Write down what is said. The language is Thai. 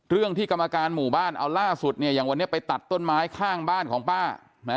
เรื่องที่กรรมการหมู่บ้านเอาล่าสุดเนี่ยอย่างวันนี้ไปตัดต้นไม้ข้างบ้านของป้านะ